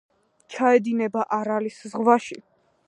ჩაედინება არალის ზღვაში.